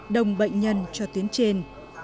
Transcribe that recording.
đông bệnh nhân cho tuyến trên